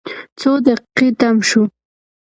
څو دقیقې تم شوو.